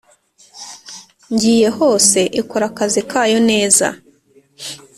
ngiye hose Ikora akazi kayo neza